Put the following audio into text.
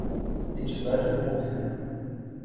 entidade pública